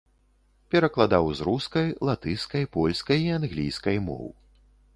Перакладаў з рускай, латышскай, польскай і англійскай моў.